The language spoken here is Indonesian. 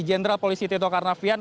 jenderal polisi tito karnavian